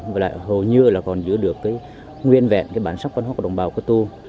mà lại hầu như là còn giữ được cái nguyên vẹn cái bản sắc văn hóa của đồng bào cơ tu